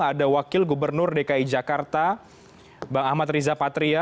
ada wakil gubernur dki jakarta bang ahmad riza patria